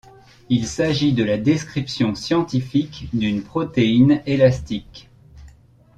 Il s'agit de la description scientifique d'une protéine élastique.